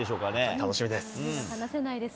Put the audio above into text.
楽しみです。